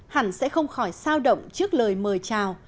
hẳn sẽ không khỏi sao động trước lời mời chào